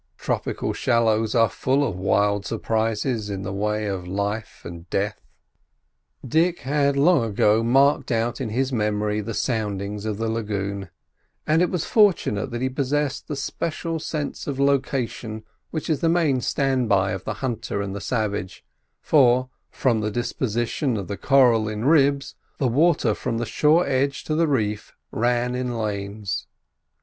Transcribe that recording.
Tropical shallows are full of wild surprises in the way of life—and death. Dick had long ago marked out in his memory the soundings of the lagoon, and it was fortunate that he possessed the special sense of location which is the main stand by of the hunter and the savage, for, from the disposition of the coral in ribs, the water from the shore edge to the reef ran in lanes.